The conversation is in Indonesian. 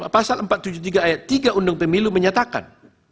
pasal empat ratus tujuh puluh tiga ayat tiga undang pemilu menyatakan